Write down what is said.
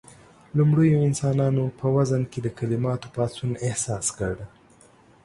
لومړيو انسانانو په وزن کې د کليماتو پاڅون احساس کړ.